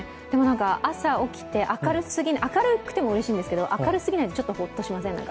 朝起きて、明るくてもうれしいんですけど、明るすぎないとちょっとほっとしませんか？